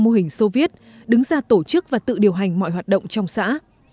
mô hình soviet đứng ra tổ chức và tự điều hành mọi hoạt động trong xã